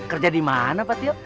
kerja di mana pak tio